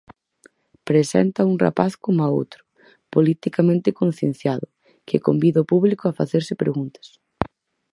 Presenta un rapaz coma outro, politicamente concienciado, que convida ao público a facerse preguntas.